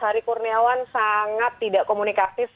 hari kurniawan sangat tidak komunikatif